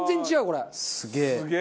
すげえ！